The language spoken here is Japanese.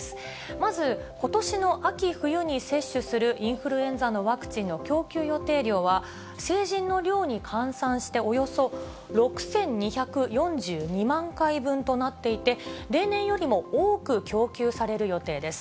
まず、ことしの秋冬に接種するインフルエンザのワクチンの供給予定量は、成人の量に換算しておよそ６２４２万回分となっていて、例年よりも多く供給される予定です。